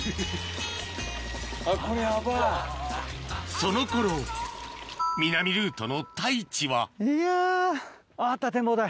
その頃南ルートの太一はいや！